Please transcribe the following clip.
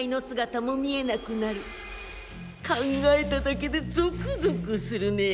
考えただけでゾクゾクするねえ。